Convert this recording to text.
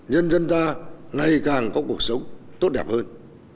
nhân dân ta ngày càng có cuộc sống tốt đẹp hơn